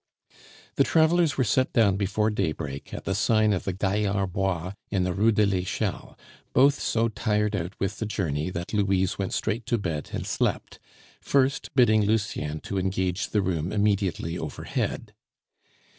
The travelers were set down before daybreak at the sign of the Gaillard Bois in the Rue de l'Echelle, both so tired out with the journey that Louise went straight to bed and slept, first bidding Lucien to engage the room immediately overhead.